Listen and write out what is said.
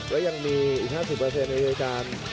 และยังมีอีก๕๐ในรายการ